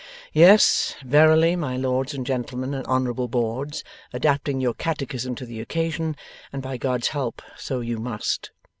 Yes, verily, my lords and gentlemen and honourable boards, adapting your Catechism to the occasion, and by God's help so you must.